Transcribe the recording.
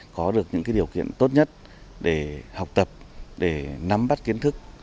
có được những điều kiện tốt nhất để học tập để nắm bắt kiến thức